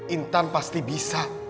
intan pasti bisa